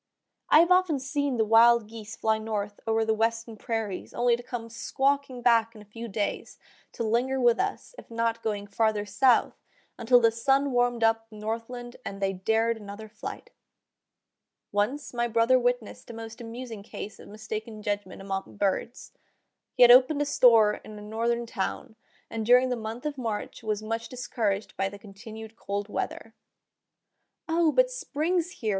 I have often seen the wild geese fly north over the western prairies only to come squawking back in a few days, to linger with us, if not going farther south, until the sun warmed up the northland and they dared another flight. Once my brother witnessed a most amusing case of mistaken judgment among birds. He had opened a store in a northern town, and during the month of March was much discouraged by the continued cold weather. "O! but spring's here!"